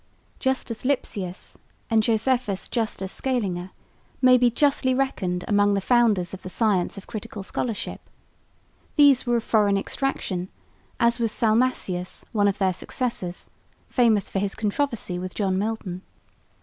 Justus Lipsius and Josephus Justus Scaliger may be justly reckoned among the founders of the science of critical scholarship. These were of foreign extraction, as was Salmasius, one of their successors, famous for his controversy with John Milton.